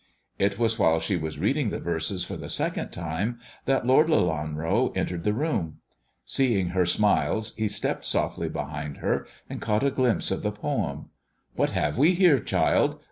It was while she was reading the verses for the second 84 THE dwarf's chamber time that Lord Leianro entered the room. Seeing her smiles, he stepped softly behind her, and caught a glimpse of the poem. " "What have we here, child